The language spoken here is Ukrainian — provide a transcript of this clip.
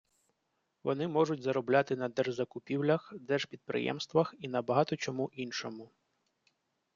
Вони можуть заробляти на держзакупівлях, держпідприємствах і на багато чому іншому.